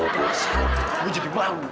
gue jadi malu deh